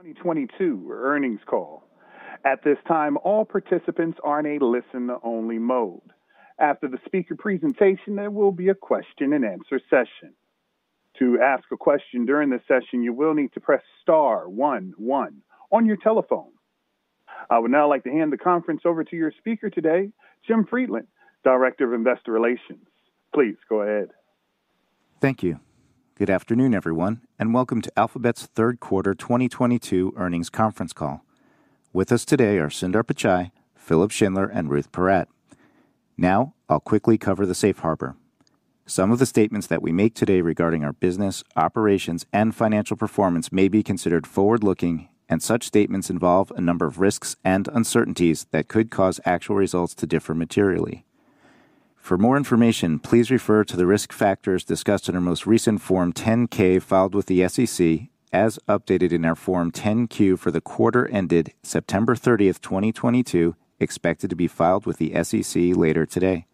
2022 earnings call. At this time, all participants are in a listen-only mode. After the speaker presentation, there will be a question and answer session. To ask a question during the session, you will need to press star one one on your telephone. I would now like to hand the conference over to your speaker today, Jim Friedland, Director of Investor Relations. Please go ahead. Thank you. Good afternoon, everyone, and welcome to Alphabet's third quarter 2022 earnings conference call. With us today are Sundar Pichai, Philipp Schindler, and Ruth Porat. Now, I'll quickly cover the safe harbor. Some of the statements that we make today regarding our business, operations, and financial performance may be considered forward-looking, and such statements involve a number of risks and uncertainties that could cause actual results to differ materially. For more information, please refer to the risk factors discussed in our most recent Form 10-K filed with the SEC, as updated in our Form 10-Q for the quarter ended September 30th, 2022, expected to be filed with the SEC later today.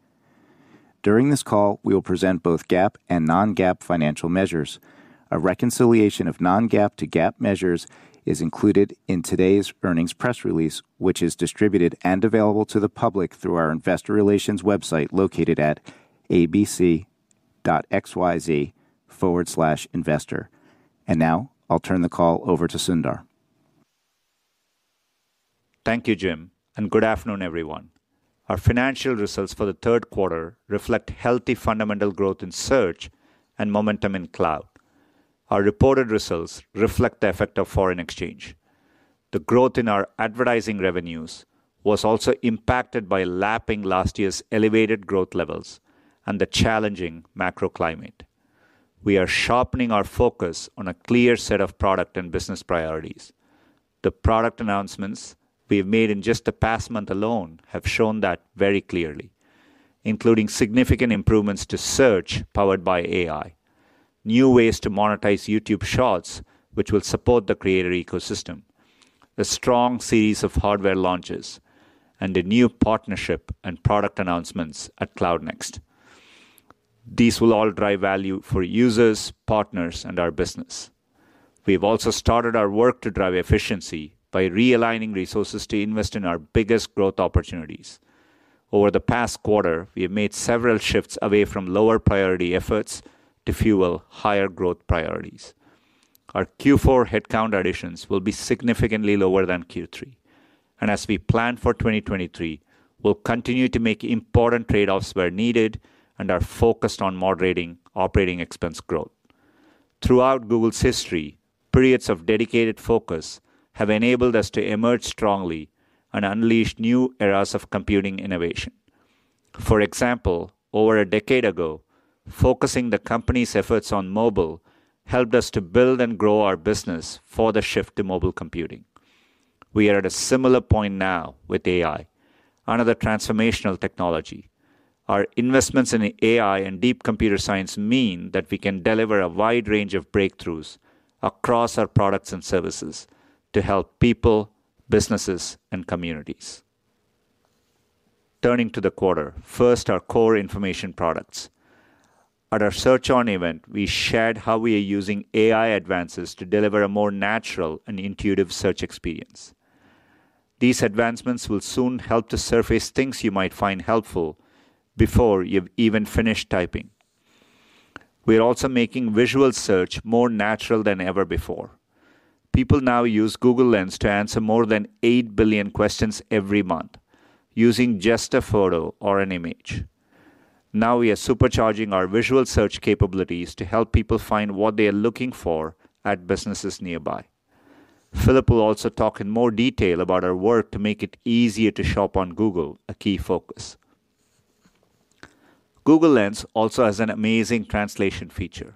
During this call, we will present both GAAP and non-GAAP financial measures. A reconciliation of non-GAAP to GAAP measures is included in today's earnings press release, which is distributed and available to the public through our investor relations website located at abc.xyz/investor, and now I'll turn the call over to Sundar. Thank you, Jim, and good afternoon, everyone. Our financial results for the third quarter reflect healthy fundamental growth in Search and momentum in Cloud. Our reported results reflect the effect of foreign exchange. The growth in our advertising revenues was also impacted by lapping last year's elevated growth levels and the challenging macro climate. We are sharpening our focus on a clear set of product and business priorities. The product announcements we have made in just the past month alone have shown that very clearly, including significant improvements to Search powered by AI, new ways to monetize YouTube Shorts, which will support the creator ecosystem, a strong series of hardware launches, and a new partnership and product announcements at Cloud Next. These will all drive value for users, partners, and our business. We have also started our work to drive efficiency by realigning resources to invest in our biggest growth opportunities. Over the past quarter, we have made several shifts away from lower priority efforts to fuel higher growth priorities. Our Q4 headcount additions will be significantly lower than Q3, and as we plan for 2023, we'll continue to make important trade-offs where needed and are focused on moderating operating expense growth. Throughout Google's history, periods of dedicated focus have enabled us to emerge strongly and unleash new eras of computing innovation. For example, over a decade ago, focusing the company's efforts on mobile helped us to build and grow our business for the shift to mobile computing. We are at a similar point now with AI, another transformational technology. Our investments in AI and deep computer science mean that we can deliver a wide range of breakthroughs across our products and services to help people, businesses, and communities. Turning to the quarter, first, our core information products. At our Search On event, we shared how we are using AI advances to deliver a more natural and intuitive search experience. These advancements will soon help to surface things you might find helpful before you've even finished typing. We are also making visual search more natural than ever before. People now use Google Lens to answer more than eight billion questions every month using just a photo or an image. Now we are supercharging our visual search capabilities to help people find what they are looking for at businesses nearby. Philipp will also talk in more detail about our work to make it easier to shop on Google, a key focus. Google Lens also has an amazing translation feature.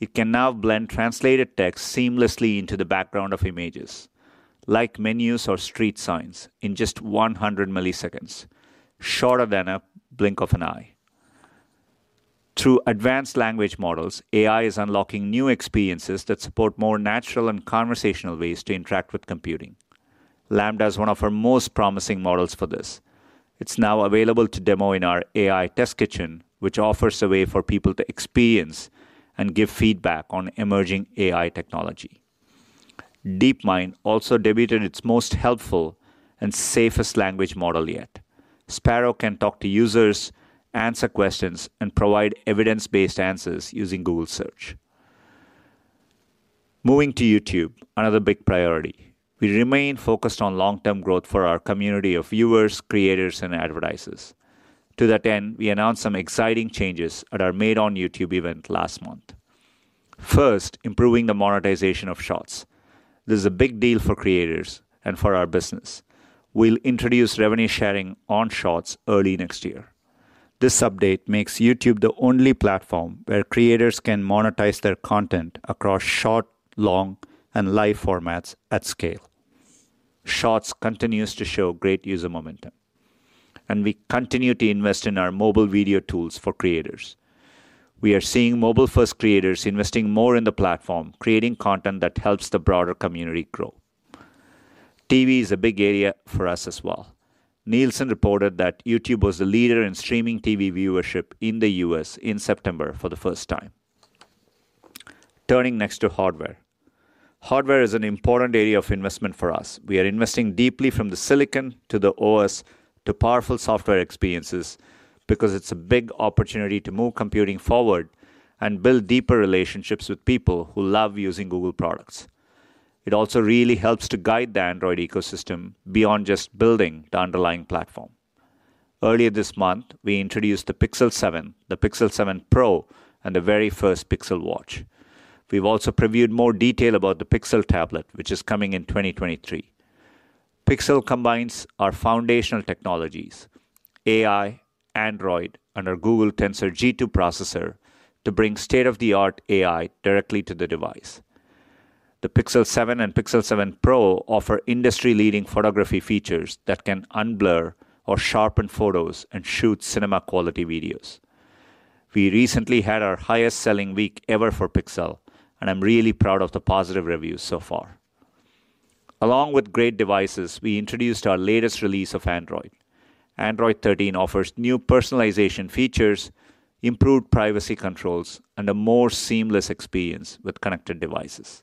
It can now blend translated text seamlessly into the background of images, like menus or street signs, in just 100 milliseconds, shorter than a blink of an eye. Through advanced language models, AI is unlocking new experiences that support more natural and conversational ways to interact with computing. LaMDA is one of our most promising models for this. It's now available to demo in our AI Test Kitchen, which offers a way for people to experience and give feedback on emerging AI technology. DeepMind also debuted its most helpful and safest language model yet. Sparrow can talk to users, answer questions, and provide evidence-based answers using Google Search. Moving to YouTube, another big priority. We remain focused on long-term growth for our community of viewers, creators, and advertisers. To that end, we announced some exciting changes at our Made on YouTube event last month. First, improving the monetization of Shorts. This is a big deal for creators and for our business. We'll introduce revenue sharing on Shorts early next year. This update makes YouTube the only platform where creators can monetize their content across short, long, and live formats at scale. Shorts continues to show great user momentum. And we continue to invest in our mobile video tools for creators. We are seeing mobile-first creators investing more in the platform, creating content that helps the broader community grow. TV is a big area for us as well. Nielsen reported that YouTube was the leader in streaming TV viewership in the U.S. in September for the first time. Turning next to hardware. Hardware is an important area of investment for us. We are investing deeply from the silicon to the OS to powerful software experiences because it's a big opportunity to move computing forward and build deeper relationships with people who love using Google products. It also really helps to guide the Android ecosystem beyond just building the underlying platform. Earlier this month, we introduced the Pixel 7, the Pixel 7 Pro, and the very first Pixel Watch. We've also previewed more detail about the Pixel Tablet, which is coming in 2023. Pixel combines our foundational technologies, AI, Android, and our Google Tensor G2 processor to bring state-of-the-art AI directly to the device. The Pixel 7 and Pixel 7 Pro offer industry-leading photography features that can unblur or sharpen photos and shoot cinema-quality videos. We recently had our highest-selling week ever for Pixel, and I'm really proud of the positive reviews so far. Along with great devices, we introduced our latest release of Android. Android 13 offers new personalization features, improved privacy controls, and a more seamless experience with connected devices.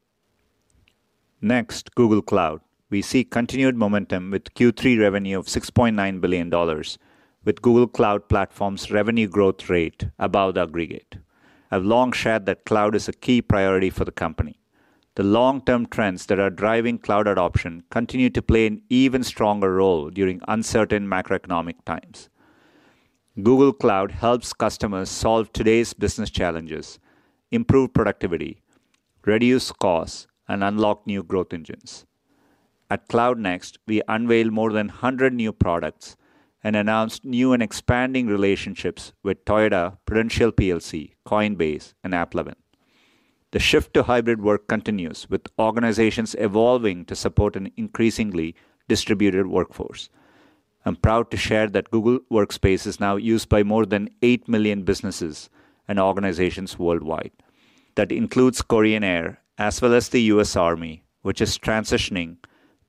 Next, Google Cloud. We see continued momentum with Q3 revenue of $6.9 billion, with Google Cloud Platform's revenue growth rate above aggregate. I've long shared that Cloud is a key priority for the company. The long-term trends that are driving cloud adoption continue to play an even stronger role during uncertain macroeconomic times. Google Cloud helps customers solve today's business challenges, improve productivity, reduce costs, and unlock new growth engines. At Cloud Next, we unveiled more than 100 new products and announced new and expanding relationships with Toyota, Prudential plc, Coinbase, and AppLovin. The shift to hybrid work continues, with organizations evolving to support an increasingly distributed workforce. I'm proud to share that Google Workspace is now used by more than eight million businesses and organizations worldwide. That includes Korean Air, as well as the U.S. Army, which is transitioning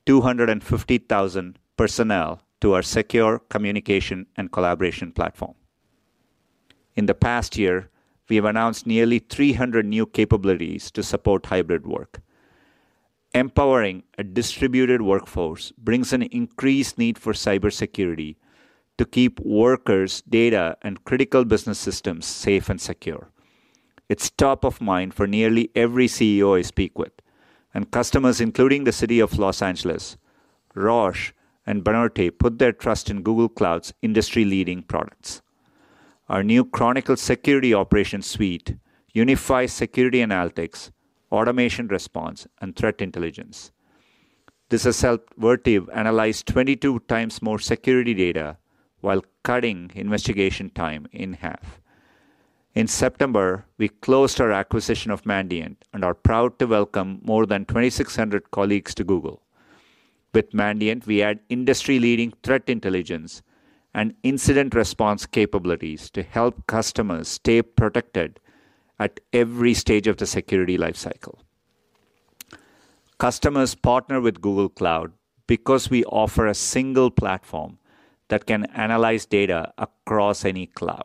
250,000 personnel to our secure communication and collaboration platform. In the past year, we have announced nearly 300 new capabilities to support hybrid work. Empowering a distributed workforce brings an increased need for cybersecurity to keep workers' data and critical business systems safe and secure. It's top of mind for nearly every CEO I speak with. And customers, including the city of Los Angeles, Roche, and Banorte, put their trust in Google Cloud's industry-leading products. Our new Google Security Operations suite unifies security analytics, automation response, and threat intelligence. This has helped Vertiv analyze 22 times more security data while cutting investigation time in half. In September, we closed our acquisition of Mandiant and are proud to welcome more than 2,600 colleagues to Google. With Mandiant, we add industry-leading threat intelligence and incident response capabilities to help customers stay protected at every stage of the security lifecycle. Customers partner with Google Cloud because we offer a single platform that can analyze data across any cloud.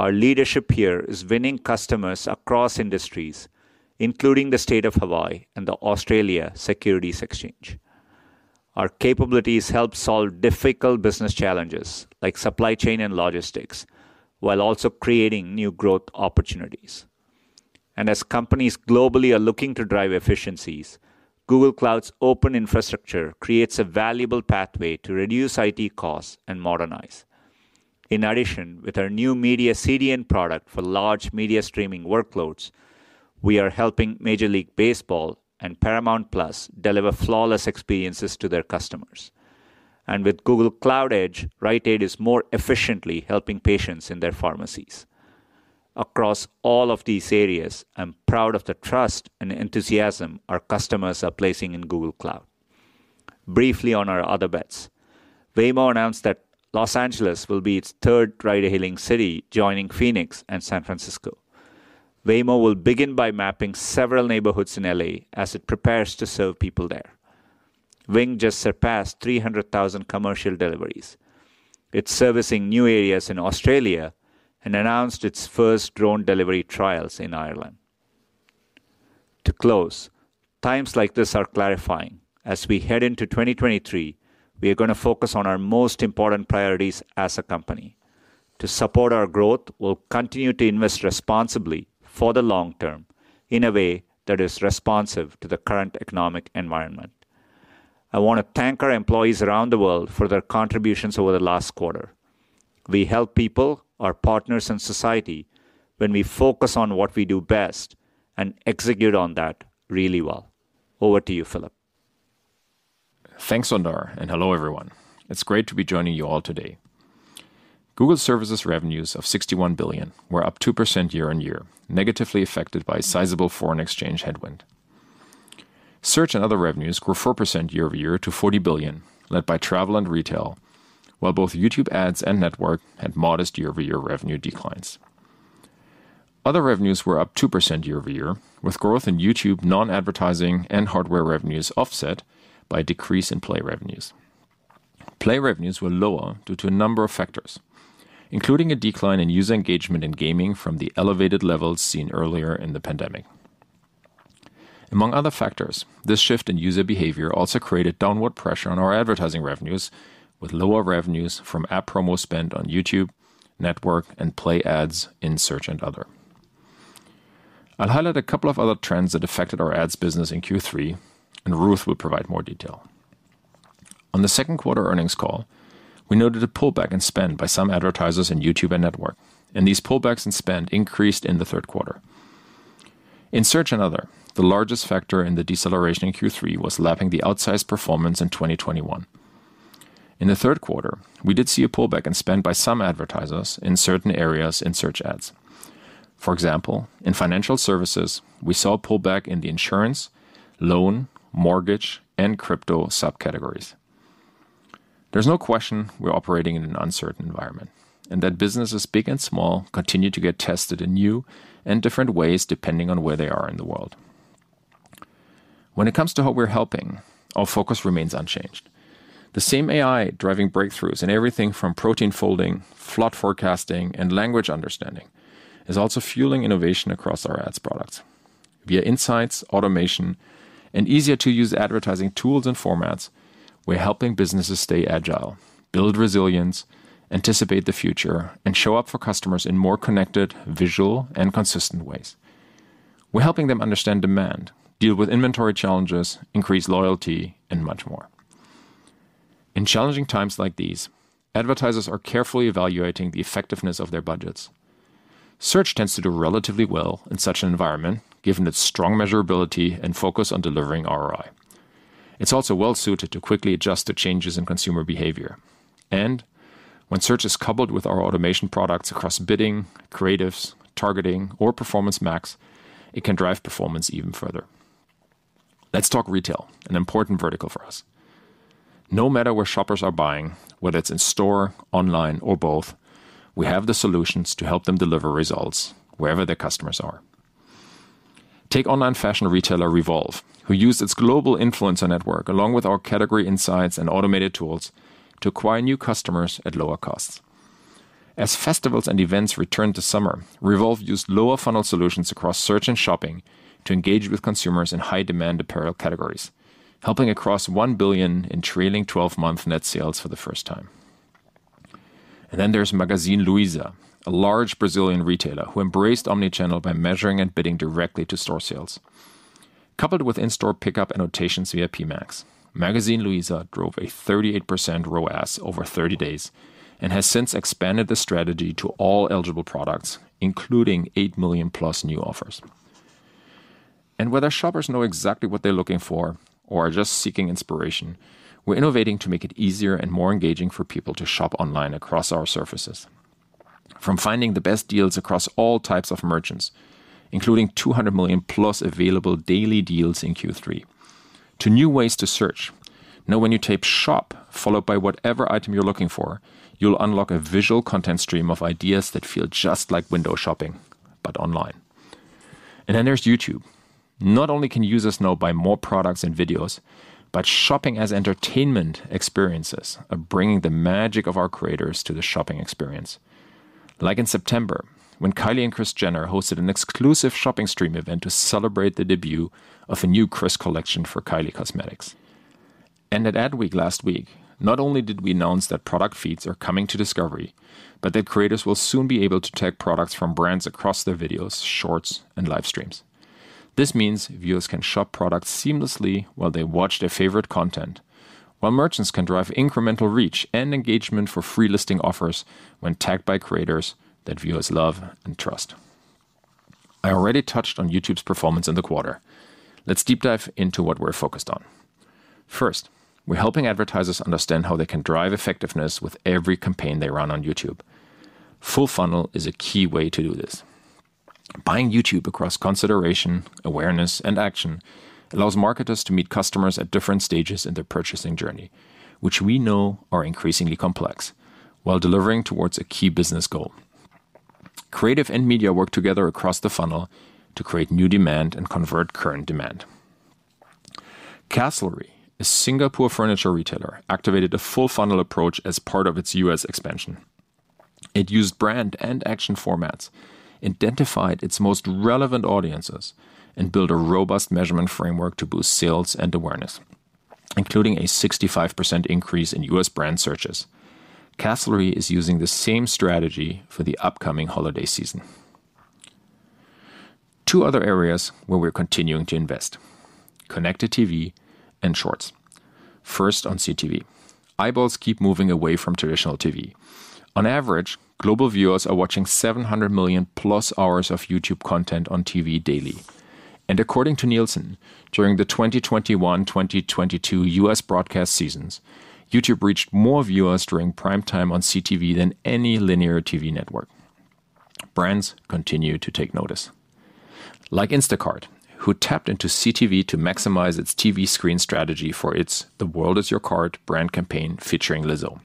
Our leadership here is winning customers across industries, including the State of Hawaii and the Australian Securities Exchange. Our capabilities help solve difficult business challenges like supply chain and logistics, while also creating new growth opportunities, and as companies globally are looking to drive efficiencies, Google Cloud's open infrastructure creates a valuable pathway to reduce IT costs and modernize. In addition, with our new Media CDN product for large media streaming workloads, we are helping Major League Baseball and Paramount+ deliver flawless experiences to their customers. And with Google Distributed Cloud Edge, Rite Aid is more efficiently helping patients in their pharmacies. Across all of these areas, I'm proud of the trust and enthusiasm our customers are placing in Google Cloud. Briefly on our other bets, Waymo announced that Los Angeles will be its third rider-hailing city, joining Phoenix and San Francisco. Waymo will begin by mapping several neighborhoods in LA as it prepares to serve people there. Wing just surpassed 300,000 commercial deliveries. It's servicing new areas in Australia and announced its first drone delivery trials in Ireland. To close, times like this are clarifying. As we head into 2023, we are going to focus on our most important priorities as a company. To support our growth, we'll continue to invest responsibly for the long term in a way that is responsive to the current economic environment. I want to thank our employees around the world for their contributions over the last quarter. We help people, our partners, and society when we focus on what we do best and execute on that really well. Over to you, Philipp. Thanks, Sundar, and hello, everyone. It's great to be joining you all today. Google Services revenues of $61 billion were up 2% year-on-year, negatively affected by a sizable foreign exchange headwind. Search and other revenues grew 4% year-over-year to $40 billion, led by travel and retail, while both YouTube Ads and Network had modest year-over-year revenue declines. Other revenues were up 2% year-over-year, with growth in YouTube non-advertising and hardware revenues offset by a decrease in play revenues. Play revenues were lower due to a number of factors, including a decline in user engagement in gaming from the elevated levels seen earlier in the pandemic. Among other factors, this shift in user behavior also created downward pressure on our advertising revenues, with lower revenues from app promo spend on YouTube, Network, and Play Ads in Search and other. I'll highlight a couple of other trends that affected our Ads business in Q3, and Ruth will provide more detail. On the second quarter earnings call, we noted a pullback in spend by some advertisers in YouTube and Network, and these pullbacks in spend increased in the third quarter. In Search and other, the largest factor in the deceleration in Q3 was lapping the outsized performance in 2021. In the third quarter, we did see a pullback in spend by some advertisers in certain areas in Search ads. For example, in financial services, we saw a pullback in the insurance, loan, mortgage, and crypto subcategories. There's no question we're operating in an uncertain environment, and that businesses big and small continue to get tested in new and different ways depending on where they are in the world. When it comes to how we're helping, our focus remains unchanged. The same AI driving breakthroughs in everything from protein folding, flood forecasting, and language understanding is also fueling innovation across our Ads products. Via insights, automation, and easier-to-use advertising tools and formats, we're helping businesses stay agile, build resilience, anticipate the future, and show up for customers in more connected, visual, and consistent ways. We're helping them understand demand, deal with inventory challenges, increase loyalty, and much more. In challenging times like these, advertisers are carefully evaluating the effectiveness of their budgets. Search tends to do relatively well in such an environment, given its strong measurability and focus on delivering ROI. It's also well-suited to quickly adjust to changes in consumer behavior. And when Search is coupled with our automation products across bidding, creatives, targeting, or Performance Max, it can drive performance even further. Let's talk retail, an important vertical for us. No matter where shoppers are buying, whether it's in store, online, or both, we have the solutions to help them deliver results wherever their customers are. Take online fashion retailer Revolve, who used its global influencer network along with our category insights and automated tools to acquire new customers at lower costs. As festivals and events returned to summer, Revolve used lower-funnel solutions across Search and Shopping to engage with consumers in high-demand apparel categories, helping across $1 billion in trailing 12-month net sales for the first time. And then there's Magazine Luiza, a large Brazilian retailer who embraced omnichannel by measuring and bidding directly to store sales. Coupled with in-store pickup and rotations via PMax, Magazine Luiza drove a 38% ROAS over 30 days and has since expanded the strategy to all eligible products, including eight million-plus new offers. Whether shoppers know exactly what they're looking for or are just seeking inspiration, we're innovating to make it easier and more engaging for people to shop online across our services. From finding the best deals across all types of merchants, including 200 million-plus available daily deals in Q3, to new ways to search, now when you type "shop" followed by whatever item you're looking for, you'll unlock a visual content stream of ideas that feel just like window shopping, but online. And then there's YouTube. Not only can users now buy more products and videos, but shopping as entertainment experiences are bringing the magic of our creators to the shopping experience. Like in September, when Kylie and Kris Jenner hosted an exclusive shopping stream event to celebrate the debut of a new Kris Collection for Kylie Cosmetics. And at AdWeek last week, not only did we announce that product feeds are coming to Discovery, but that creators will soon be able to tag products from brands across their videos, Shorts, and live streams. This means viewers can shop products seamlessly while they watch their favorite content, while merchants can drive incremental reach and engagement for free listing offers when tagged by creators that viewers love and trust. I already touched on YouTube's performance in the quarter. Let's deep dive into what we're focused on. First, we're helping advertisers understand how they can drive effectiveness with every campaign they run on YouTube. Full funnel is a key way to do this. Buying YouTube across consideration, awareness, and action allows marketers to meet customers at different stages in their purchasing journey, which we know are increasingly complex, while delivering towards a key business goal. Creative and media work together across the funnel to create new demand and convert current demand. Castlery, a Singapore furniture retailer, activated a full funnel approach as part of its U.S. expansion. It used brand and action formats, identified its most relevant audiences, and built a robust measurement framework to boost sales and awareness, including a 65% increase in U.S. brand searches. Castlery is using the same strategy for the upcoming holiday season. Two other areas where we're continuing to invest: Connected TV and Shorts. First on CTV. Eyeballs keep moving away from traditional TV. On average, global viewers are watching 700 million-plus hours of YouTube content on TV daily, and according to Nielsen, during the 2021-2022 U.S. broadcast seasons, YouTube reached more viewers during prime time on CTV than any linear TV network. Brands continue to take notice. Like Instacart, who tapped into CTV to maximize its TV screen strategy for its "The World is Your Cart" brand campaign featuring Lizzo.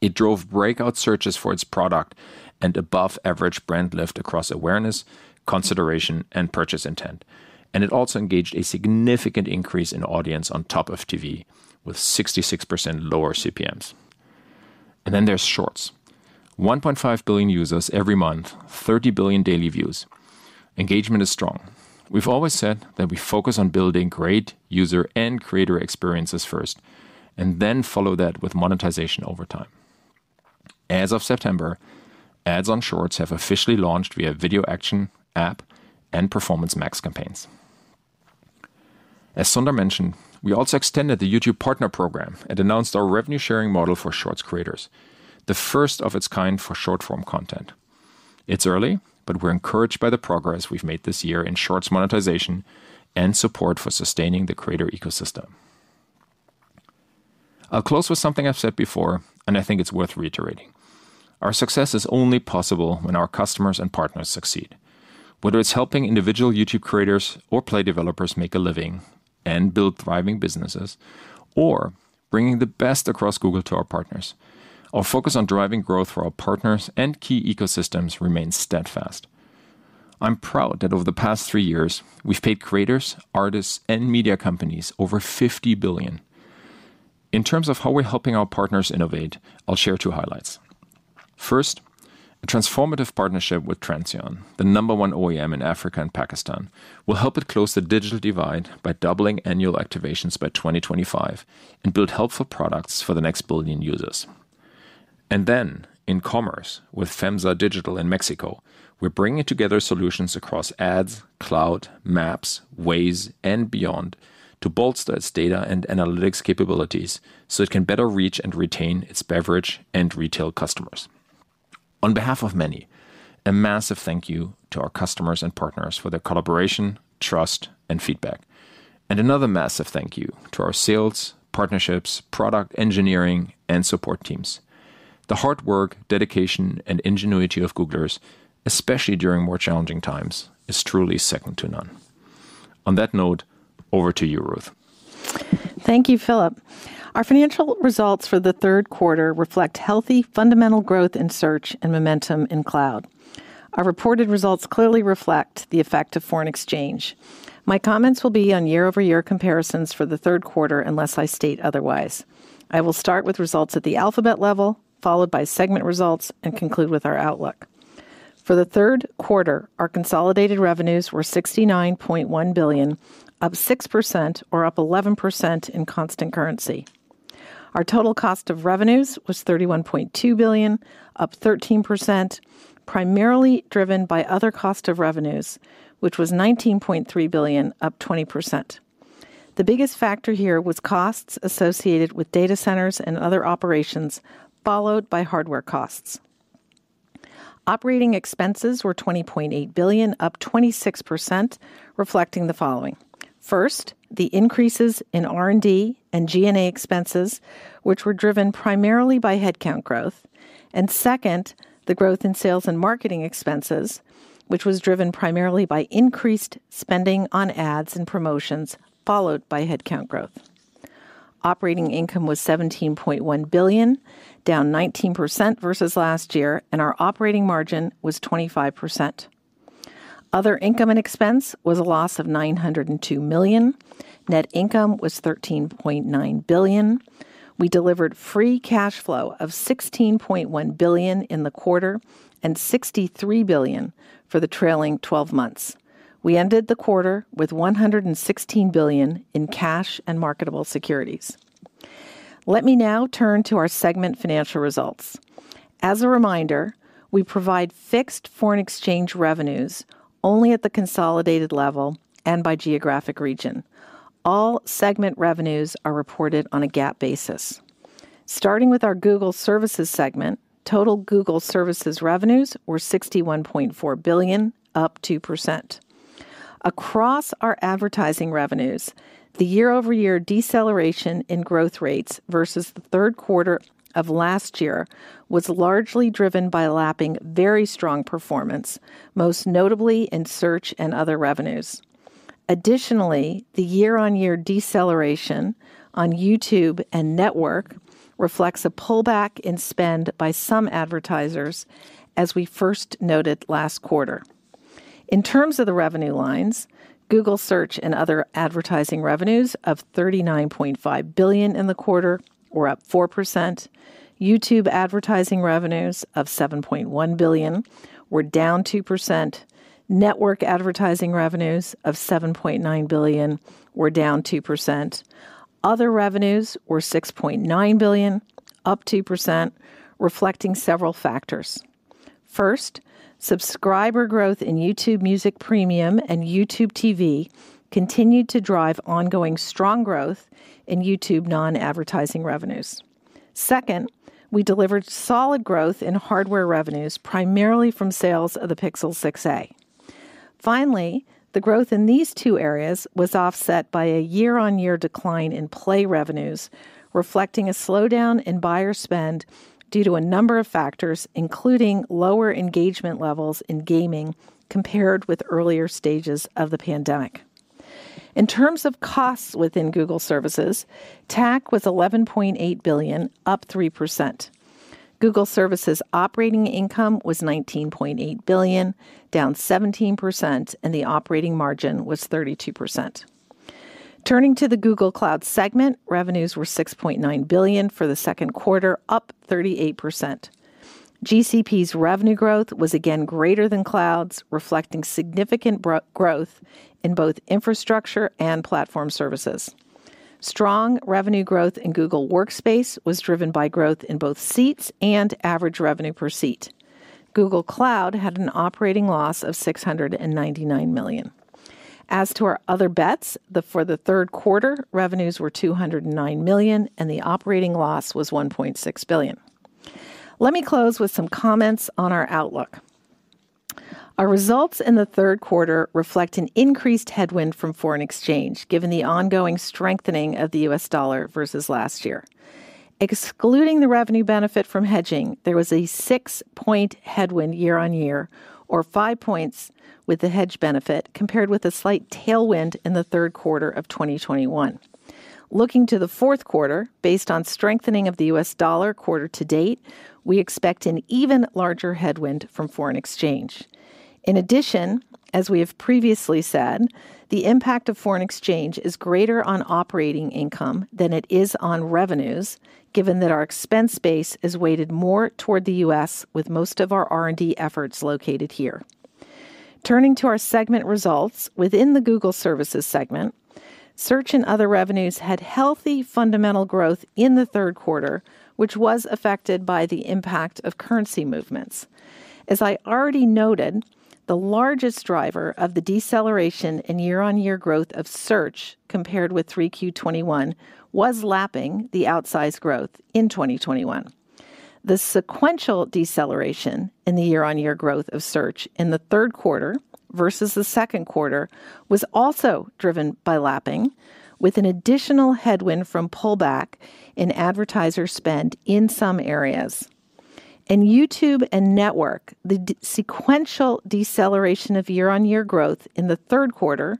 It drove breakout searches for its product and above-average brand lift across awareness, consideration, and purchase intent, and it also engaged a significant increase in audience on top of TV, with 66% lower CPMs, and then there's Shorts. 1.5 billion users every month, 30 billion daily views. Engagement is strong. We've always said that we focus on building great user and creator experiences first, and then follow that with monetization over time. As of September, Ads on Shorts have officially launched via Video Action, App, and Performance Max campaigns. As Sundar mentioned, we also extended the YouTube Partner Program and announced our revenue-sharing model for Shorts creators, the first of its kind for short-form content. It's early, but we're encouraged by the progress we've made this year in Shorts monetization and support for sustaining the creator ecosystem. I'll close with something I've said before, and I think it's worth reiterating. Our success is only possible when our customers and partners succeed. Whether it's helping individual YouTube creators or Play developers make a living and build thriving businesses, or bringing the best across Google to our partners, our focus on driving growth for our partners and key ecosystems remains steadfast. I'm proud that over the past three years, we've paid creators, artists, and media companies over $50 billion. In terms of how we're helping our partners innovate, I'll share two highlights. First, a transformative partnership with Transsion, the number one OEM in Africa and Pakistan, will help it close the digital divide by doubling annual activations by 2025 and build helpful products for the next billion users. And then in commerce with FEMSA Digital in Mexico, we're bringing together solutions across Ads, Cloud, Maps, Waze, and beyond to bolster its data and analytics capabilities so it can better reach and retain its beverage and retail customers. On behalf of many, a massive thank you to our customers and partners for their collaboration, trust, and feedback. And another massive thank you to our sales, partnerships, product engineering, and support teams. The hard work, dedication, and ingenuity of Googlers, especially during more challenging times, is truly second to none. On that note, over to you, Ruth. Thank you, Philipp. Our financial results for the third quarter reflect healthy fundamental growth in Search and momentum in Cloud. Our reported results clearly reflect the effect of foreign exchange. My comments will be on year-over-year comparisons for the third quarter unless I state otherwise. I will start with results at the Alphabet level, followed by segment results, and conclude with our outlook. For the third quarter, our consolidated revenues were $69.1 billion, up 6%, or up 11% in constant currency. Our total cost of revenues was $31.2 billion, up 13%, primarily driven by other cost of revenues, which was $19.3 billion, up 20%. The biggest factor here was costs associated with data centers and other operations, followed by hardware costs. Operating expenses were $20.8 billion, up 26%, reflecting the following. First, the increases in R&D and G&A expenses, which were driven primarily by headcount growth. Second, the growth in sales and marketing expenses, which was driven primarily by increased spending on ads and promotions, followed by headcount growth. Operating income was $17.1 billion, down 19% versus last year, and our operating margin was 25%. Other income and expense was a loss of $902 million. Net income was $13.9 billion. We delivered free cash flow of $16.1 billion in the quarter and $63 billion for the trailing 12 months. We ended the quarter with $116 billion in cash and marketable securities. Let me now turn to our segment financial results. As a reminder, we provide fixed foreign exchange revenues only at the consolidated level and by geographic region. All segment revenues are reported on a GAAP basis. Starting with our Google Services segment, total Google Services revenues were $61.4 billion, up 2%. Across our advertising revenues, the year-over-year deceleration in growth rates versus the third quarter of last year was largely driven by lapping very strong performance, most notably in Google Search and other revenues. Additionally, the year-on-year deceleration on YouTube and Network reflects a pullback in spend by some advertisers, as we first noted last quarter. In terms of the revenue lines, Google Search and other advertising revenues of $39.5 billion in the quarter, were up 4%. YouTube advertising revenues of $7.1 billion were down 2%. Network advertising revenues of $7.9 billion were down 2%. Other revenues were $6.9 billion, up 2%, reflecting several factors. First, subscriber growth in YouTube Music Premium and YouTube TV continued to drive ongoing strong growth in YouTube non-advertising revenues. Second, we delivered solid growth in hardware revenues, primarily from sales of the Pixel 6a. Finally, the growth in these two areas was offset by a year-on-year decline in Play revenues, reflecting a slowdown in buyer spend due to a number of factors, including lower engagement levels in gaming compared with earlier stages of the pandemic. In terms of costs within Google Services, TAC was $11.8 billion, up 3%. Google Services operating income was $19.8 billion, down 17%, and the operating margin was 32%. Turning to the Google Cloud segment, revenues were $6.9 billion for the second quarter, up 38%. GCP's revenue growth was again greater than Cloud's, reflecting significant growth in both infrastructure and platform services. Strong revenue growth in Google Workspace was driven by growth in both seats and average revenue per seat. Google Cloud had an operating loss of $699 million. As to our Other Bets, for the third quarter, revenues were $209 million, and the operating loss was $1.6 billion. Let me close with some comments on our outlook. Our results in the third quarter reflect an increased headwind from foreign exchange, given the ongoing strengthening of the U.S. dollar versus last year. Excluding the revenue benefit from hedging, there was a six point headwind year-on-year, or five points with the hedge benefit, compared with a slight tailwind in the third quarter of 2021. Looking to the fourth quarter, based on strengthening of the U.S. dollar quarter to date, we expect an even larger headwind from foreign exchange. In addition, as we have previously said, the impact of foreign exchange is greater on operating income than it is on revenues, given that our expense base is weighted more toward the U.S., with most of our R&D efforts located here. Turning to our segment results, within the Google Services segment, Search and other revenues had healthy fundamental growth in the third quarter, which was affected by the impact of currency movements. As I already noted, the largest driver of the deceleration in year-on-year growth of Search, compared with 3Q 2021, was lapping the outsized growth in 2021. The sequential deceleration in the year-on-year growth of Search in the third quarter versus the second quarter was also driven by lapping, with an additional headwind from pullback in advertiser spend in some areas. In YouTube and Network, the sequential deceleration of year-on-year growth in the third quarter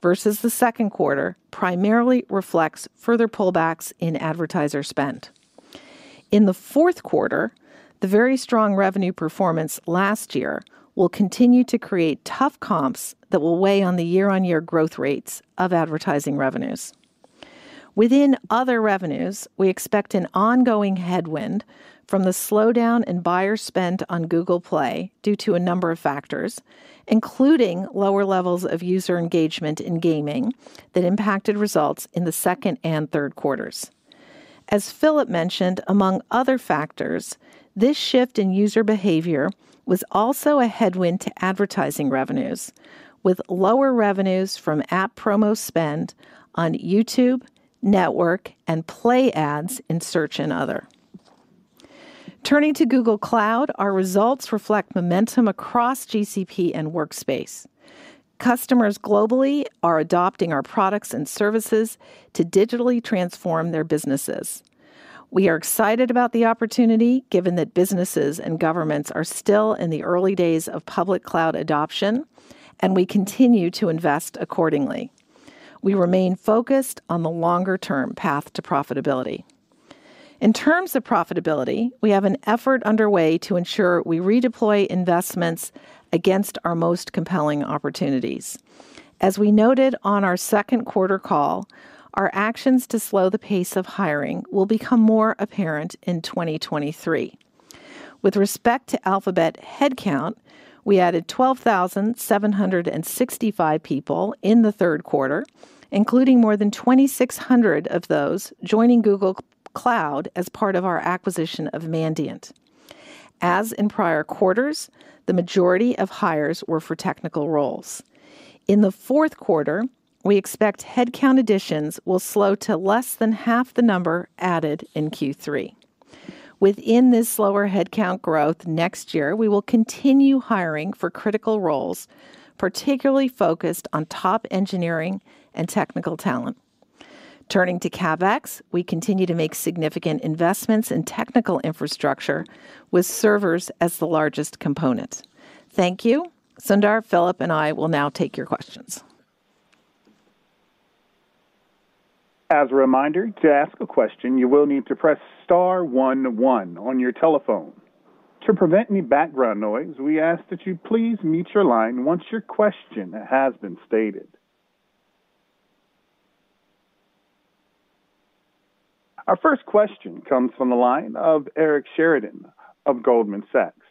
versus the second quarter primarily reflects further pullbacks in advertiser spend. In the fourth quarter, the very strong revenue performance last year will continue to create tough comps that will weigh on the year-on-year growth rates of advertising revenues. Within other revenues, we expect an ongoing headwind from the slowdown in buyer spend on Google Play due to a number of factors, including lower levels of user engagement in gaming that impacted results in the second and third quarters. As Philipp mentioned, among other factors, this shift in user behavior was also a headwind to advertising revenues, with lower revenues from app promo spend on YouTube, Network, and Play ads in Search and other. Turning to Google Cloud, our results reflect momentum across GCP and Workspace. Customers globally are adopting our products and services to digitally transform their businesses. We are excited about the opportunity, given that businesses and governments are still in the early days of public cloud adoption, and we continue to invest accordingly. We remain focused on the longer-term path to profitability. In terms of profitability, we have an effort underway to ensure we redeploy investments against our most compelling opportunities. As we noted on our second quarter call, our actions to slow the pace of hiring will become more apparent in 2023. With respect to Alphabet headcount, we added 12,765 people in the third quarter, including more than 2,600 of those joining Google Cloud as part of our acquisition of Mandiant. As in prior quarters, the majority of hires were for technical roles. In the fourth quarter, we expect headcount additions will slow to less than half the number added in Q3. Within this slower headcount growth next year, we will continue hiring for critical roles, particularly focused on top engineering and technical talent. Turning to CapEx, we continue to make significant investments in technical infrastructure, with servers as the largest component. Thank you. Sundar, Philipp, and I will now take your questions. As a reminder, to ask a question, you will need to press star one one on your telephone. To prevent any background noise, we ask that you please mute your line once your question has been stated. Our first question comes from the line of Eric Sheridan of Goldman Sachs.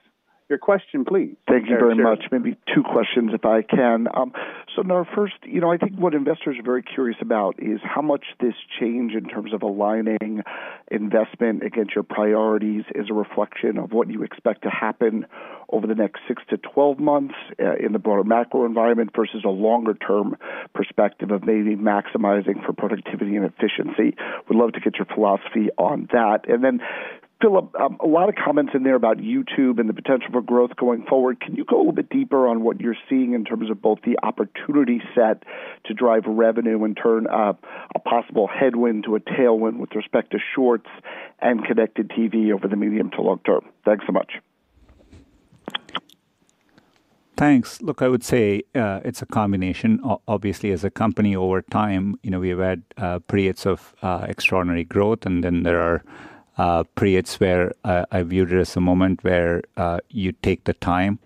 Your question, please. Thank you very much. Maybe two questions, if I can. Sundar, first, I think what investors are very curious about is how much this change in terms of aligning investment against your priorities is a reflection of what you expect to happen over the next six to 12 months in the broader macro environment versus a longer-term perspective of maybe maximizing for productivity and efficiency. We'd love to get your philosophy on that, and then, Philipp, a lot of comments in there about YouTube and the potential for growth going forward. Can you go a little bit deeper on what you're seeing in terms of both the opportunity set to drive revenue and turn a possible headwind to a tailwind with respect to Shorts and Connected TV over the medium to long term? Thanks so much. Thanks. Look, I would say it's a combination. Obviously, as a company, over time, we've had periods of extraordinary growth, and then there are periods where I viewed it as a moment where you take the time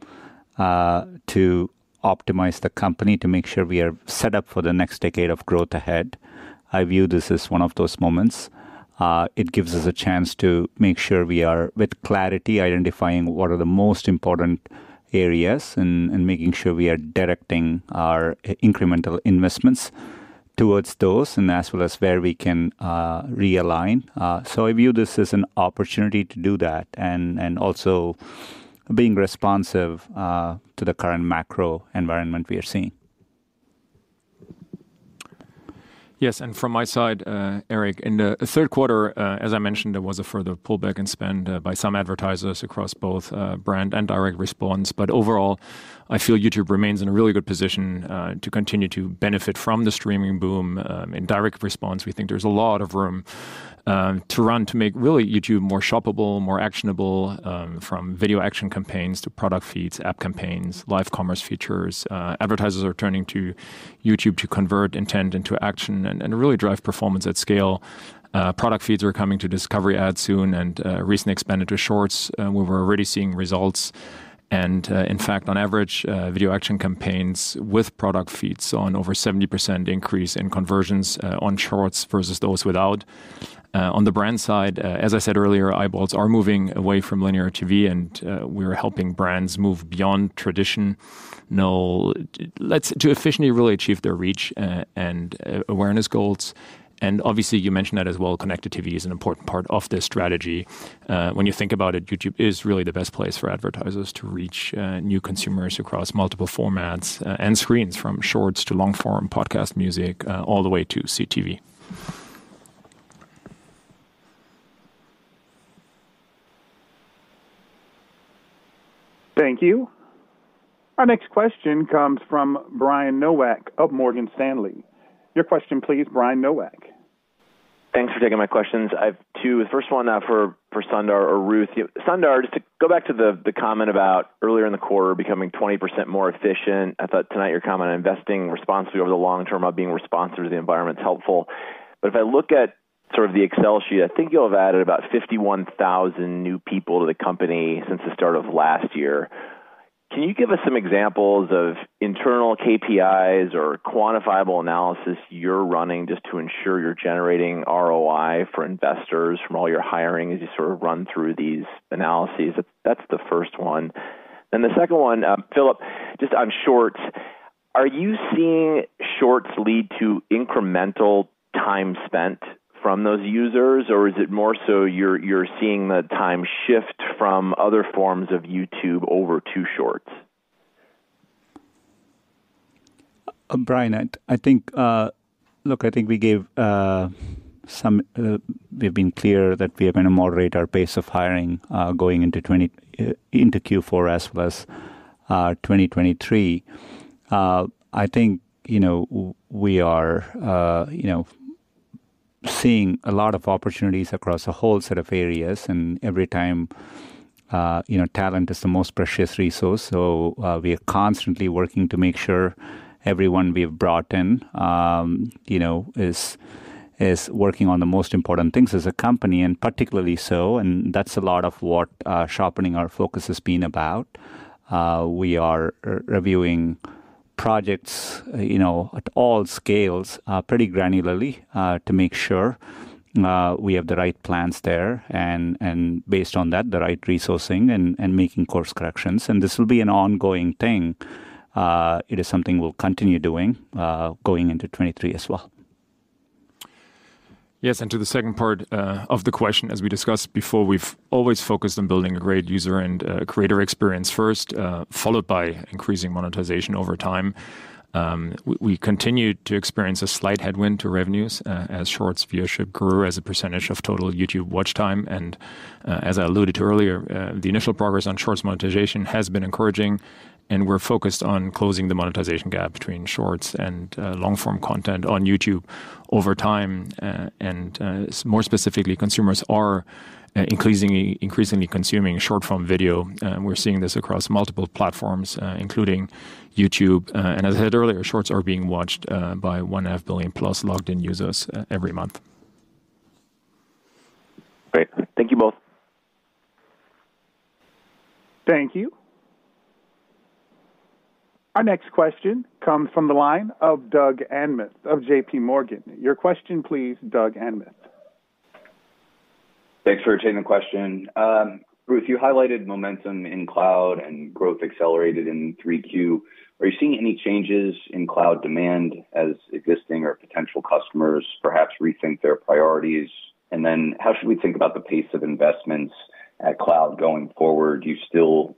to optimize the company to make sure we are set up for the next decade of growth ahead. I view this as one of those moments. It gives us a chance to make sure we are, with clarity, identifying what are the most important areas and making sure we are directing our incremental investments towards those, and as well as where we can realign. So I view this as an opportunity to do that and also being responsive to the current macro environment we are seeing. Yes. And from my side, Eric, in the third quarter, as I mentioned, there was a further pullback in spend by some advertisers across both brand and direct response. But overall, I feel YouTube remains in a really good position to continue to benefit from the streaming boom. In direct response, we think there's a lot of room to run to make really YouTube more shoppable, more actionable, from Video Action Campaigns to product feeds, app campaigns, live commerce features. Advertisers are turning to YouTube to convert intent into action and really drive performance at scale. Product feeds are coming to Discovery Ads soon, and recently expanded to Shorts. We were already seeing results. And in fact, on average, Video Action Campaigns with product feeds saw an over 70% increase in conversions on Shorts versus those without. On the brand side, as I said earlier, eyeballs are moving away from linear TV, and we are helping brands move beyond traditional to efficiently really achieve their reach and awareness goals, and obviously, you mentioned that as well, Connected TV is an important part of this strategy. When you think about it, YouTube is really the best place for advertisers to reach new consumers across multiple formats and screens, from Shorts to long-form podcast music all the way to CTV. Thank you. Our next question comes from Brian Nowak of Morgan Stanley. Your question, please, Brian Nowak. Thanks for taking my questions. I have two. The first one for Sundar or Ruth. Sundar, just to go back to the comment about earlier in the quarter becoming 20% more efficient. I thought tonight your comment on investing responsibly over the long term of being responsive to the environment is helpful. But if I look at sort of the Excel sheet, I think you'll have added about 51,000 new people to the company since the start of last year. Can you give us some examples of internal KPIs or quantifiable analysis you're running just to ensure you're generating ROI for investors from all your hiring as you sort of run through these analyses? That's the first one. The second one, Philipp, just on Shorts, are you seeing Shorts lead to incremental time spent from those users, or is it more so you're seeing the time shift from other forms of YouTube over to Shorts? Brian, I think, look, I think we've given some. We've been clear that we are going to moderate our pace of hiring going into Q4 as well as 2023. I think we are seeing a lot of opportunities across a whole set of areas, and every time talent is the most precious resource. So we are constantly working to make sure everyone we have brought in is working on the most important things as a company, and particularly so. And that's a lot of what sharpening our focus has been about. We are reviewing projects at all scales pretty granularly to make sure we have the right plans there, and based on that, the right resourcing and making course corrections. And this will be an ongoing thing. It is something we'll continue doing going into 2023 as well. Yes, and to the second part of the question, as we discussed before, we've always focused on building a great user and creator experience first, followed by increasing monetization over time. We continue to experience a slight headwind to revenues as Shorts viewership grew as a percentage of total YouTube watch time, and as I alluded to earlier, the initial progress on Shorts monetization has been encouraging, and we're focused on closing the monetization gap between Shorts and long-form content on YouTube over time, and more specifically, consumers are increasingly consuming short-form video. We're seeing this across multiple platforms, including YouTube, and as I said earlier, Shorts are being watched by 1.5 billion plus logged-in users every month. Great. Thank you both. Thank you. Our next question comes from the line of Doug Anmuth of JPMorgan. Your question, please, Doug Anmuth. Thanks for taking the question. Ruth, you highlighted momentum in Cloud and growth accelerated in 3Q. Are you seeing any changes in Cloud demand as existing or potential customers perhaps rethink their priorities? And then how should we think about the pace of investments at Cloud going forward? Do you still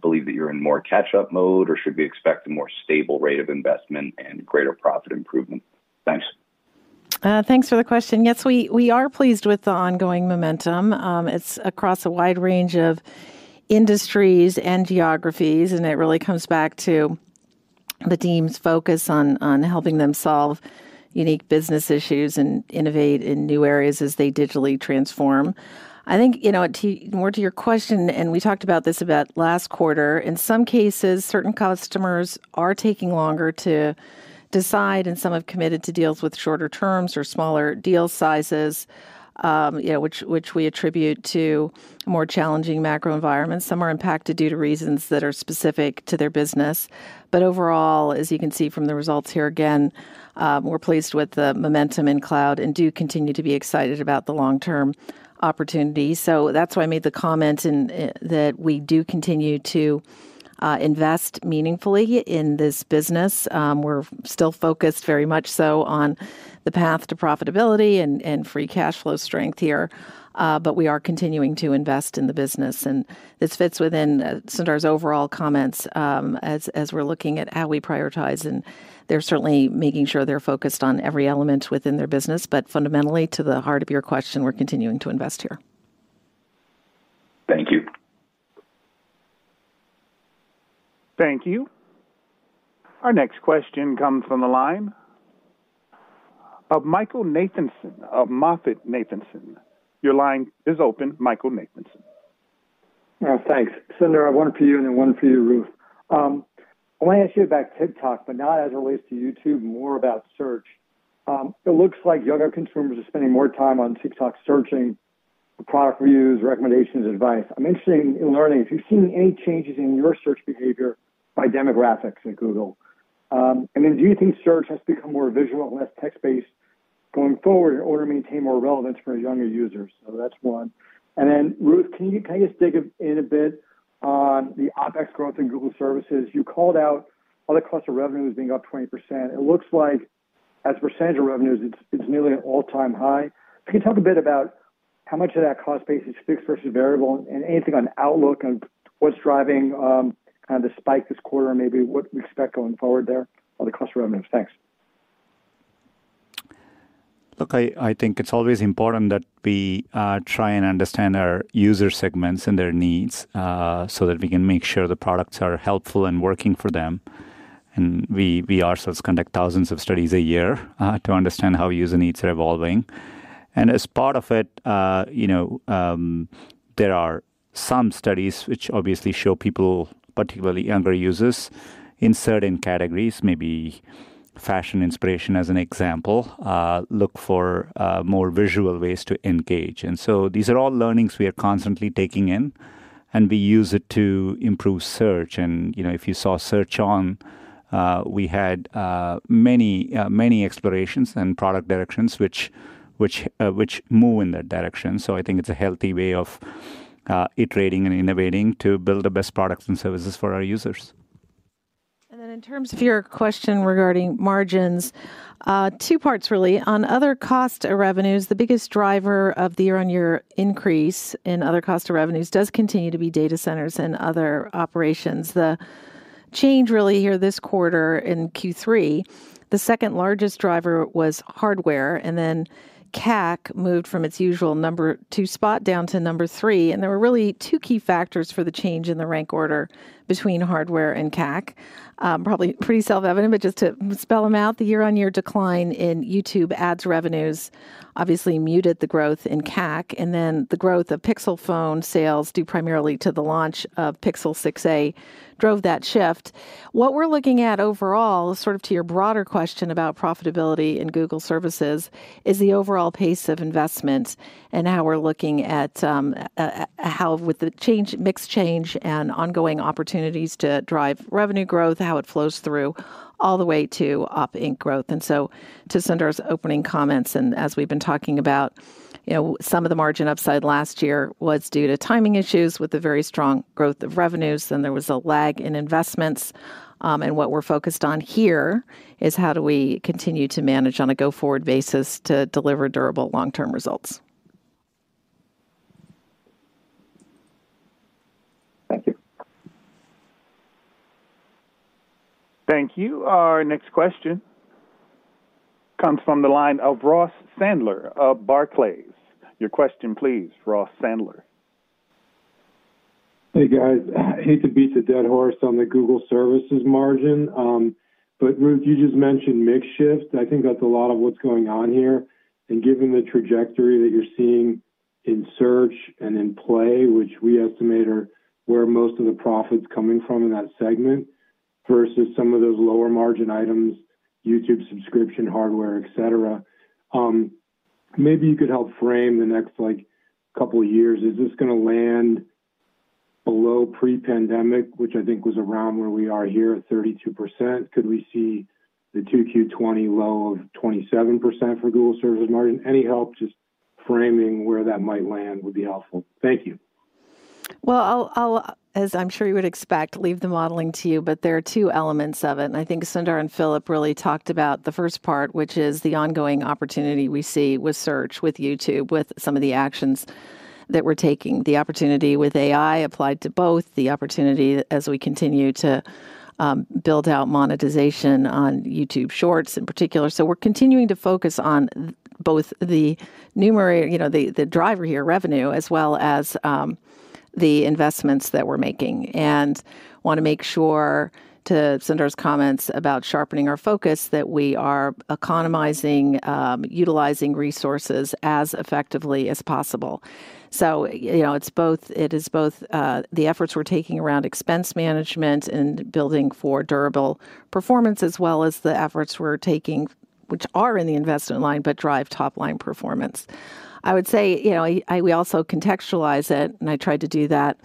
believe that you're in more catch-up mode, or should we expect a more stable rate of investment and greater profit improvement? Thanks. Thanks for the question. Yes, we are pleased with the ongoing momentum. It's across a wide range of industries and geographies, and it really comes back to the team's focus on helping them solve unique business issues and innovate in new areas as they digitally transform. I think more to your question, and we talked about this about last quarter, in some cases, certain customers are taking longer to decide, and some have committed to deals with shorter terms or smaller deal sizes, which we attribute to more challenging macro environments. Some are impacted due to reasons that are specific to their business. But overall, as you can see from the results here again, we're pleased with the momentum in Cloud and do continue to be excited about the long-term opportunity. So that's why I made the comment that we do continue to invest meaningfully in this business. We're still focused very much so on the path to profitability and free cash flow strength here, but we are continuing to invest in the business. And this fits within Sundar's overall comments as we're looking at how we prioritize, and they're certainly making sure they're focused on every element within their business. But fundamentally, to the heart of your question, we're continuing to invest here. Thank you. Our next question comes from the line of Michael Nathanson of MoffettNathanson. Your line is open, Michael Nathanson. Thanks. Sundar, one for you and then one for you, Ruth. I want to ask you about TikTok, but not as it relates to YouTube, more about Search. It looks like younger consumers are spending more time on TikTok searching for product reviews, recommendations, advice. I'm interested in learning if you've seen any changes in your Search behavior by demographics at Google. And then do you think Search has become more visual and less text-based going forward in order to maintain more relevance for younger users? So that's one. And then, Ruth, can you kind of just dig in a bit on the OpEx growth in Google Services? You called out how the cost of revenue is being up 20%. It looks like, as a percentage of revenues, it's nearly an all-time high. Can you talk a bit about how much of that cost base is fixed versus variable, and anything on outlook and what's driving kind of the spike this quarter, and maybe what we expect going forward there on the cost of revenues? Thanks. Look, I think it's always important that we try and understand our user segments and their needs so that we can make sure the products are helpful and working for them. We ourselves conduct thousands of studies a year to understand how user needs are evolving. As part of it, there are some studies which obviously show people, particularly younger users, in certain categories, maybe fashion inspiration as an example, look for more visual ways to engage. These are all learnings we are constantly taking in, and we use it to improve Search. If you saw Search On, we had many, many explorations and product directions which move in that direction. It is a healthy way of iterating and innovating to build the best products and services for our users. In terms of your question regarding margins, two parts really. On other cost of revenues, the biggest driver of the year-on-year increase in other cost of revenues does continue to be data centers and other operations. The change really here this quarter in Q3, the second largest driver was hardware, and then content acquisition costs moved from its usual number two spot down to number three. There were really two key factors for the change in the rank order between hardware and content acquisition costs. Probably pretty self-evident, but just to spell them out, the year-on-year decline in YouTube Ads revenues obviously muted the growth in content acquisition costs. The growth of Pixel phone sales due primarily to the launch of Pixel 6a drove that shift. What we're looking at overall, sort of to your broader question about profitability in Google Services, is the overall pace of investments and how we're looking at how with the mix change and ongoing opportunities to drive revenue growth, how it flows through all the way to operating income growth. And so to Sundar's opening comments, and as we've been talking about, some of the margin upside last year was due to timing issues with the very strong growth of revenues, and there was a lag in investments. And what we're focused on here is how do we continue to manage on a go-forward basis to deliver durable long-term results. Thank you. Our next question comes from the line of Ross Sandler of Barclays. Your question, please, Ross Sandler. Hey, guys. I hate to beat the dead horse on the Google Services margin, but Ruth, you just mentioned mixed shift. I think that's a lot of what's going on here, and given the trajectory that you're seeing in Search and in Play, which we estimate are where most of the profit's coming from in that segment versus some of those lower margin items, YouTube subscription, hardware, et cetera, maybe you could help frame the next couple of years. Is this going to land below pre-pandemic, which I think was around where we are here at 32%? Could we see the 2Q 2020 low of 27% for Google Services margin? Any help just framing where that might land would be helpful. Thank you. I'll, as I'm sure you would expect, leave the modeling to you, but there are two elements of it. I think Sundar and Philipp really talked about the first part, which is the ongoing opportunity we see with Search, with YouTube, with some of the actions that we're taking. The opportunity with AI applied to both, the opportunity as we continue to build out monetization on YouTube Shorts in particular. We're continuing to focus on both the driver here, revenue, as well as the investments that we're making. I want to make sure to Sundar's comments about sharpening our focus that we are economizing, utilizing resources as effectively as possible. It is both the efforts we're taking around expense management and building for durable performance, as well as the efforts we're taking, which are in the investment line, but drive top-line performance. I would say we also contextualize it, and I tried to do that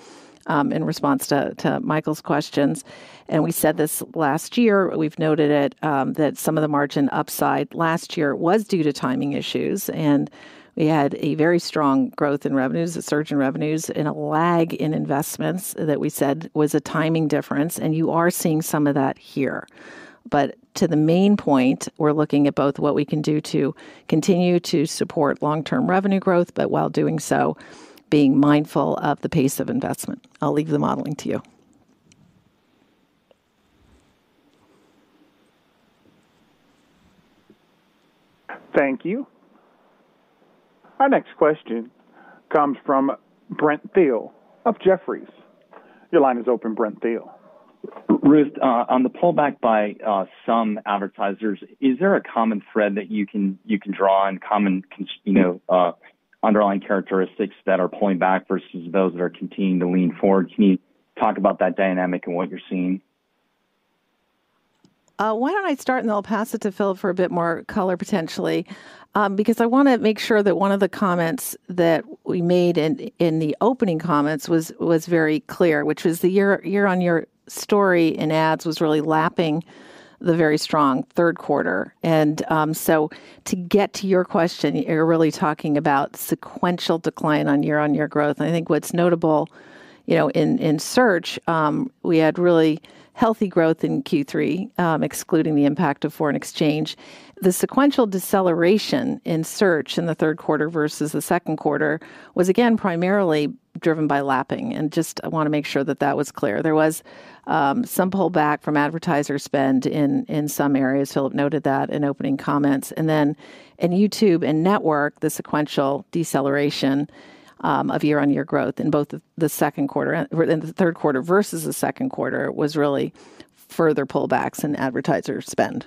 in response to Michael's questions. And we said this last year, we've noted it, that some of the margin upside last year was due to timing issues. And we had a very strong growth in revenues, a surge in revenues, and a lag in investments that we said was a timing difference. And you are seeing some of that here. But to the main point, we're looking at both what we can do to continue to support long-term revenue growth, but while doing so, being mindful of the pace of investment. I'll leave the modeling to you. Thank you. Our next question comes from Brent Thill of Jefferies. Your line is open, Brent Thill. Ruth, on the pullback by some advertisers, is there a common thread that you can draw and common underlying characteristics that are pulling back versus those that are continuing to lean forward? Can you talk about that dynamic and what you're seeing? Why don't I start, and then I'll pass it to Philipp for a bit more color potentially, because I want to make sure that one of the comments that we made in the opening comments was very clear, which was the year-on-year story in Ads was really lapping the very strong third quarter. And so to get to your question, you're really talking about sequential decline on year-on-year growth. And I think what's notable in Search, we had really healthy growth in Q3, excluding the impact of foreign exchange. The sequential deceleration in Search in the third quarter versus the second quarter was, again, primarily driven by lapping. And just I want to make sure that that was clear. There was some pullback from advertiser spend in some areas. Philipp noted that in opening comments. Then in YouTube and Network, the sequential deceleration of year-on-year growth in both the second quarter and the third quarter versus the second quarter was really further pullbacks in advertiser spend.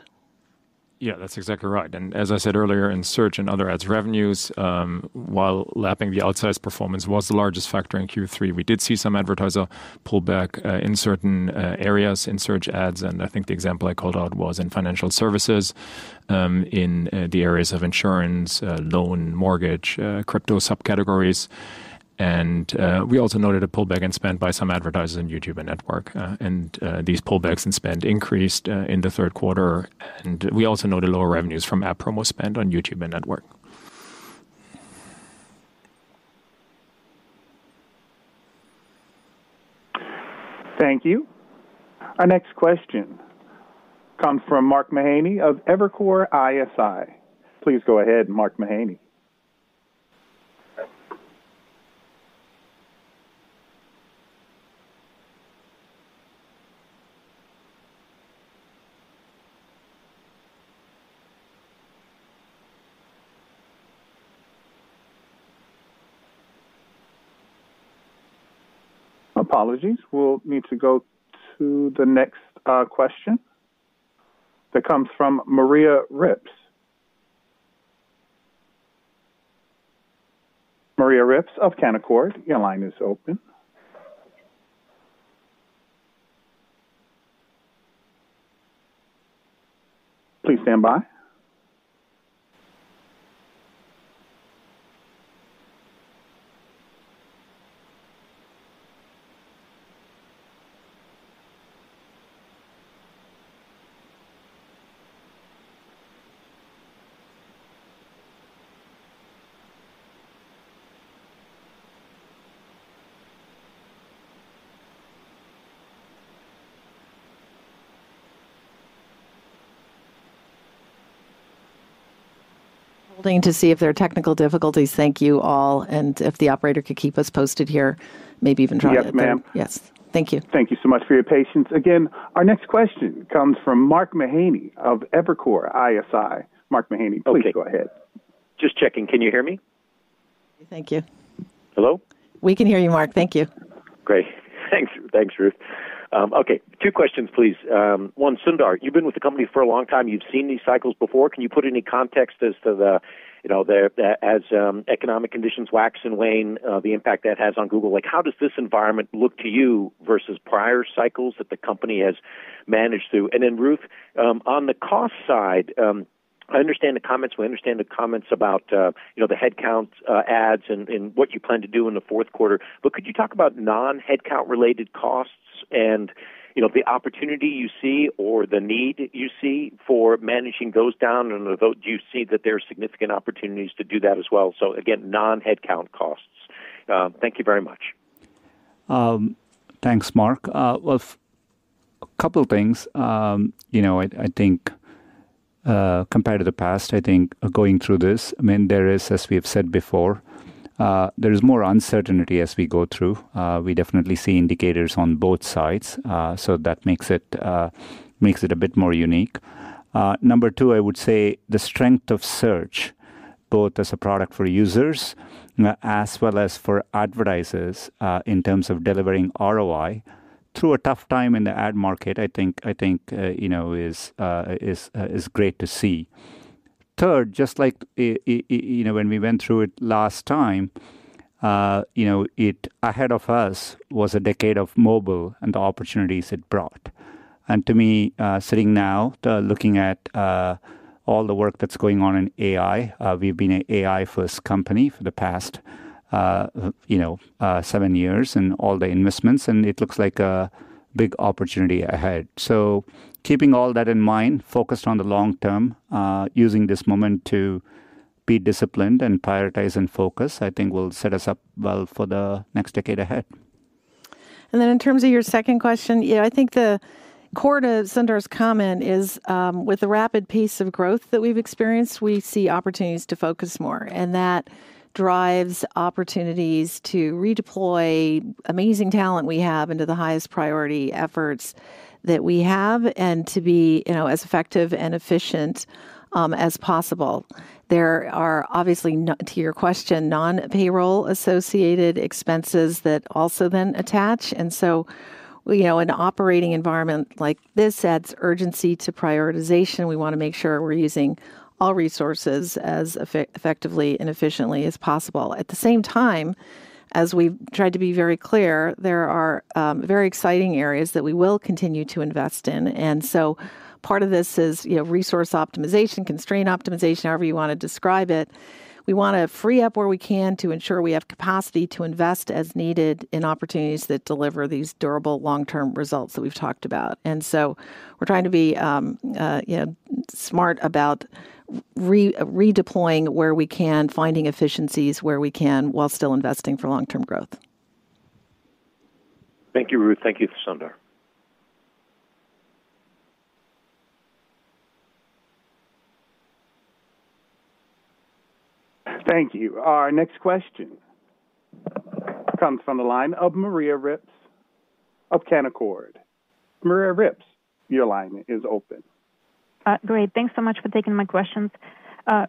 Yeah, that's exactly right. And as I said earlier, in Search and other ads revenues, while lapping the outsized performance was the largest factor in Q3, we did see some advertiser pullback in certain areas in Search ads. And I think the example I called out was in financial services, in the areas of insurance, loan, mortgage, crypto subcategories. And we also noted a pullback in spend by some advertisers in YouTube and Network. And these pullbacks in spend increased in the third quarter. And we also noted lower revenues from app promo spend on YouTube and Network. Thank you. Our next question comes from Mark Mahaney of Evercore ISI. Please go ahead, Mark Mahaney. Apologies. We'll need to go to the next question that comes from Maria Ripps. Maria Ripps of Canaccord Genuity, your line is open. Please stand by. Holding to see if there are technical difficulties. Thank you all and if the operator could keep us posted here, maybe even drop it. Yes, ma'am. Yes. Thank you. Thank you so much for your patience. Again, our next question comes from Mark Mahaney of Evercore ISI. Mark Mahaney, please go ahead. Just checking. Can you hear me? Thank you. Hello? We can hear you, Mark. Thank you. Great. Thanks, Ruth. Okay, two questions, please. One, Sundar, you've been with the company for a long time. You've seen these cycles before. Can you put any context as to the, as economic conditions wax and wane, the impact that has on Google? How does this environment look to you versus prior cycles that the company has managed through? And then, Ruth, on the cost side, I understand the comments. We understand the comments about the headcount adds and what you plan to do in the fourth quarter. But could you talk about non-headcount-related costs and the opportunity you see or the need you see for managing those down? And do you see that there are significant opportunities to do that as well? So again, non-headcount costs. Thank you very much. Thanks, Mark. Well, a couple of things. I think, compared to the past, I think, going through this, I mean, there is, as we have said before, there is more uncertainty as we go through. We definitely see indicators on both sides. So that makes it a bit more unique. Number two, I would say, the strength of Search, both as a product for users as well as for advertisers in terms of delivering ROI through a tough time in the ad market, I think is great to see. Third, just like when we went through it last time, ahead of us was a decade of mobile and the opportunities it brought, and to me, sitting now, looking at all the work that's going on in AI, we've been an AI-first company for the past seven years and all the investments, and it looks like a big opportunity ahead. So keeping all that in mind, focused on the long term, using this moment to be disciplined and prioritize and focus, I think will set us up well for the next decade ahead. And then, in terms of your second question, I think the core to Sundar's comment is with the rapid pace of growth that we've experienced. We see opportunities to focus more. And that drives opportunities to redeploy amazing talent we have into the highest priority efforts that we have and to be as effective and efficient as possible. There are obviously, to your question, non-payroll associated expenses that also then attach. And so in an operating environment like this, adds urgency to prioritization. We want to make sure we're using all resources as effectively and efficiently as possible. At the same time, as we've tried to be very clear, there are very exciting areas that we will continue to invest in. And so part of this is resource optimization, constraint optimization, however you want to describe it. We want to free up where we can to ensure we have capacity to invest as needed in opportunities that deliver these durable long-term results that we've talked about. And so we're trying to be smart about redeploying where we can, finding efficiencies where we can while still investing for long-term growth. Thank you, Ruth. Thank you, Sundar. Thank you. Our next question comes from the line of Maria Ripps of Canaccord Genuity. Maria Ripps, your line is open. Great. Thanks so much for taking my questions.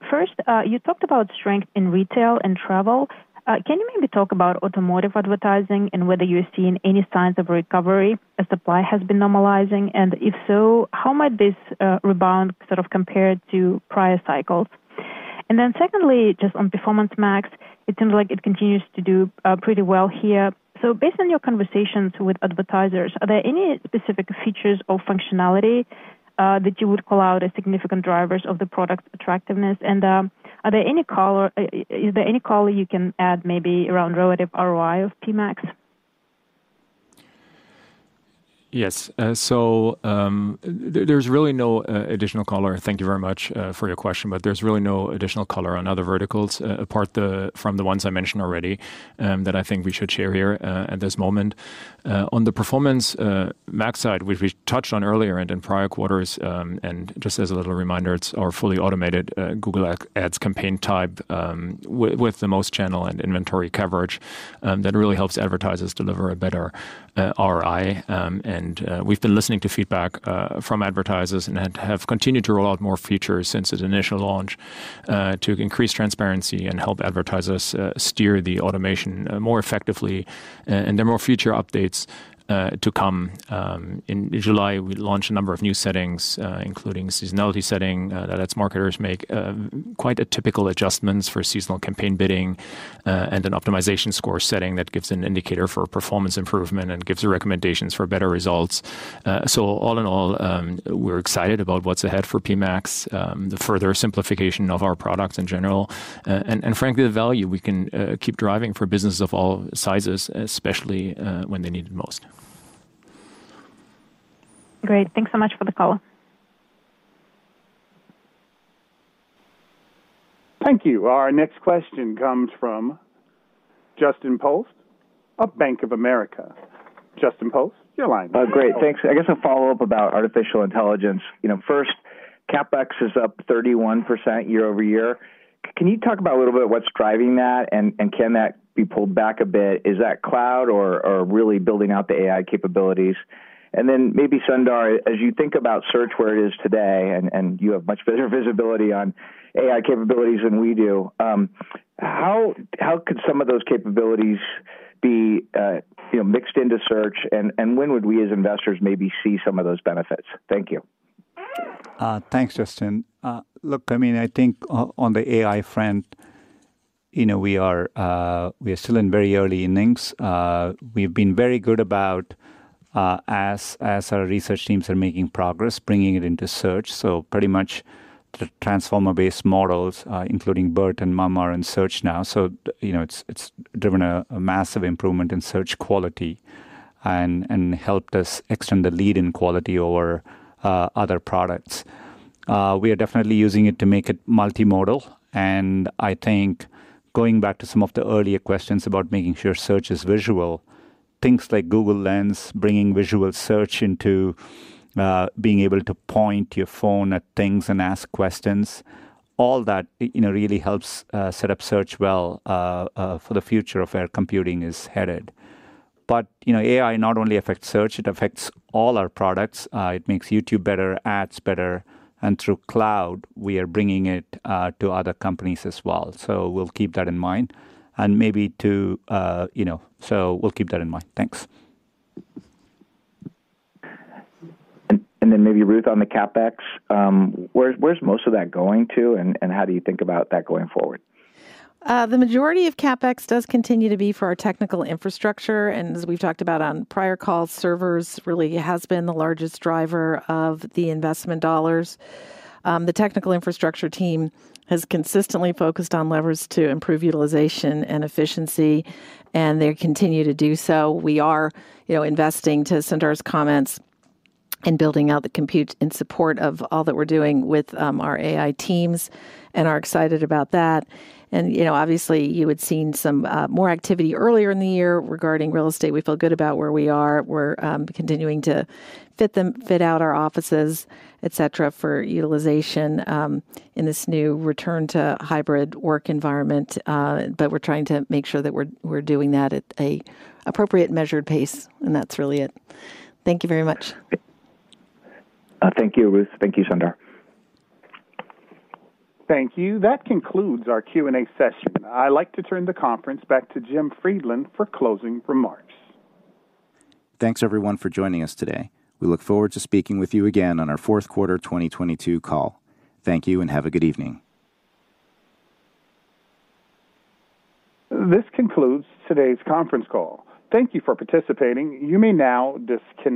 First, you talked about strength in retail and travel. Can you maybe talk about automotive advertising and whether you're seeing any signs of recovery as supply has been normalizing? And if so, how might this rebound sort of compare to prior cycles? And then secondly, just on Performance Max, it seems like it continues to do pretty well here. So based on your conversations with advertisers, are there any specific features or functionality that you would call out as significant drivers of the product attractiveness? And are there any color you can add maybe around relative ROI of PMax? Yes. So there's really no additional color. Thank you very much for your question, but there's really no additional color on other verticals apart from the ones I mentioned already that I think we should share here at this moment. On the Performance Max side, which we touched on earlier and in prior quarters, and just as a little reminder, it's our fully automated Google Ads campaign type with the most channel and inventory coverage that really helps advertisers deliver a better ROI. And we've been listening to feedback from advertisers and have continued to roll out more features since its initial launch to increase transparency and help advertisers steer the automation more effectively. And there are more future updates to come. In July, we launched a number of new settings, including seasonality setting that ad marketers make, quite atypical adjustments for seasonal campaign bidding, and an optimization score setting that gives an indicator for performance improvement and gives recommendations for better results, so all in all, we're excited about what's ahead for PMax, the further simplification of our products in general, and frankly, the value we can keep driving for businesses of all sizes, especially when they need it most. Great. Thanks so much for the call. Thank you. Our next question comes from Justin Post of Bank of America. Justin Post, your line. Great. Thanks. I guess a follow-up about artificial intelligence. First, CapEx is up 31% year-over-year. Can you talk a little bit about what's driving that, and can that be pulled back a bit? Is that Cloud or really building out the AI capabilities? And then maybe Sundar, as you think about Search where it is today, and you have much better visibility on AI capabilities than we do, how could some of those capabilities be mixed into Search, and when would we as investors maybe see some of those benefits? Thank you. Thanks, Justin. Look, I mean, I think on the AI front, we are still in very early innings. We've been very good about, as our research teams are making progress, bringing it into Search, so pretty much the transformer-based models, including BERT and MUM and in Search now, so it's driven a massive improvement in Search quality and helped us extend the lead in quality over other products. We are definitely using it to make it multimodal, and I think going back to some of the earlier questions about making sure Search is visual, things like Google Lens, bringing visual search into being able to point your phone at things and ask questions, all that really helps set up Search well for the future of where computing is headed, but AI not only affects Search, it affects all our products. It makes YouTube better, Ads better. And through Cloud, we are bringing it to other companies as well. So we'll keep that in mind. Thanks. And then maybe Ruth on the CapEx, where's most of that going to, and how do you think about that going forward? The majority of CapEx does continue to be for our technical infrastructure. And as we've talked about on prior calls, servers really has been the largest driver of the investment dollars. The technical infrastructure team has consistently focused on levers to improve utilization and efficiency, and they continue to do so. We are investing, to Sundar's comments, in building out the compute in support of all that we're doing with our AI teams, and are excited about that. And obviously, you had seen some more activity earlier in the year regarding real estate. We feel good about where we are. We're continuing to fit out our offices, etc., for utilization in this new return to hybrid work environment. But we're trying to make sure that we're doing that at an appropriate measured pace, and that's really it. Thank you very much. Thank you, Ruth. Thank you, Sundar. Thank you. That concludes our Q&A session. I'd like to turn the conference back to Jim Friedland for closing remarks. Thanks, everyone, for joining us today. We look forward to speaking with you again on our fourth quarter 2022 call. Thank you and have a good evening. This concludes today's conference call. Thank you for participating. You may now disconnect.